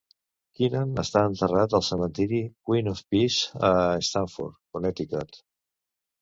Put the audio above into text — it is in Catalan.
Keenan està enterrat al cementiri Queen of Peace a Stamford, Connecticut.